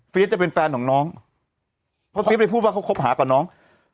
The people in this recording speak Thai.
จะเป็นแฟนของน้องเพราะเฟียสไปพูดว่าเขาคบหากับน้อง